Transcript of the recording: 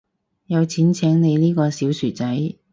有錢請你呢個小薯仔